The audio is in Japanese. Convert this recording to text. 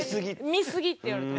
見すぎって言われて。